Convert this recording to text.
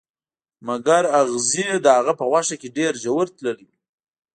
مګر اغزي د هغه په غوښه کې ډیر ژور تللي وو